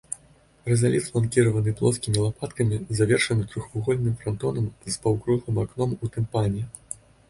Рызаліт фланкіраваны плоскімі лапаткамі, завершаны трохвугольным франтонам з паўкруглым акном у тымпане.